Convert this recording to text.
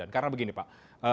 karena begini pak